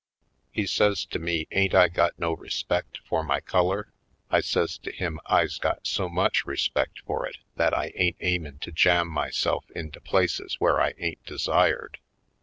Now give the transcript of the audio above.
He says to me ain't I got no respect for my color? I says to him I's got so much respect for it that I ain't aiming to jam my self into places where I ain't desired.